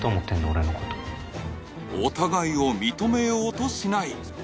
俺のことお互いを認めようとしない